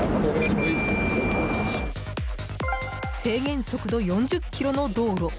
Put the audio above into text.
制限速度４０キロの道路